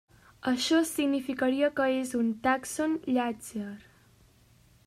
Això significaria que és un tàxon Llàtzer.